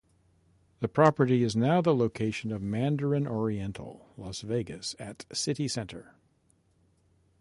The property is now the location of Mandarin Oriental, Las Vegas at CityCenter.